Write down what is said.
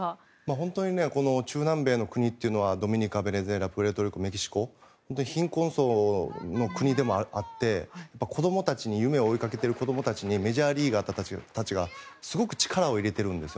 本当に中南米の国はドミニカ、ベネズエラプエルトリコ、メキシコ貧困層の国でもあって夢を追いかけている子供たちにメジャーリーガーたちがすごく力を入れているんです。